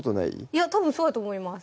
いやたぶんそうやと思います